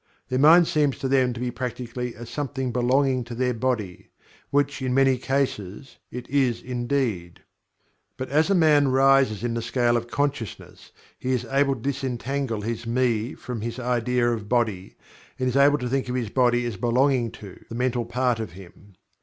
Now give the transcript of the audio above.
Their mind seems to them to be practically "a something belonging to" their body which in many cases it is indeed. But as man rises in the scale of consciousness he is able to disentangle his "Me" from his idea of body, and is able to think of his body as "belonging to" the mental part of him.